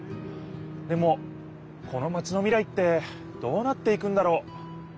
でもこのマチの未来ってどうなっていくんだろう？